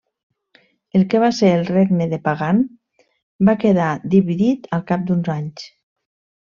El que va ser el Regne de Pagan va quedar dividit al cap d'uns anys.